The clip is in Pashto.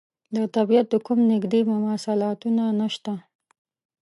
د طبعیت کوم نږدې مماثلاتونه نشته.